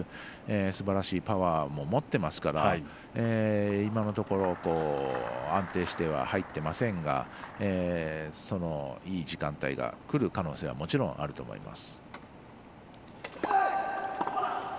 すばらしいパワーも持ってますから今のところ安定して入っていませんがそのいい時間帯がくる可能性もちろんあると思います。